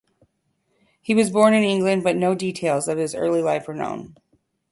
He was born in England, but no details of his early life are known.